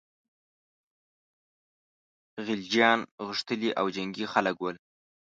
خلجیان غښتلي او جنګي خلک ول.